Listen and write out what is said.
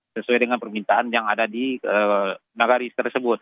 sesuai dengan permintaan yang ada di nagaris tersebut